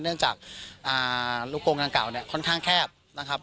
เนื่องจากลูกโกงทางเก่าค่อนข้างแคบ